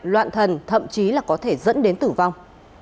loạn thần thậm chí là có thể dẫn đến tử vong